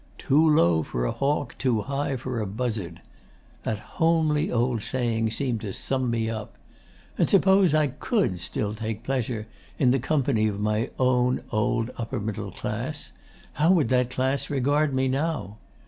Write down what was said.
"Too low for a hawk, too high for a buzzard." That homely old saying seemed to sum me up. And suppose I COULD still take pleasure in the company of my own old upper middle class, how would that class regard me now?